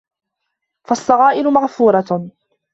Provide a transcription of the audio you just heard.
فَالصَّغَائِرُ مَغْفُورَةٌ